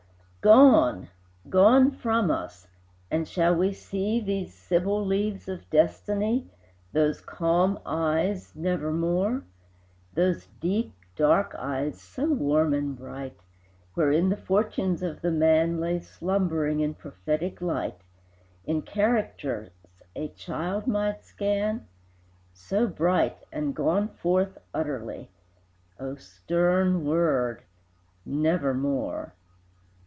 Gone, gone from us! and shall we see These sibyl leaves of destiny, Those calm eyes, nevermore? Those deep, dark eyes so warm and bright, Wherein the fortunes of the man Lay slumbering in prophetic light, In characters a child might scan? So bright, and gone forth utterly! O stern word Nevermore!